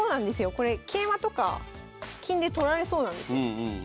これ桂馬とか金で取られそうなんですよ。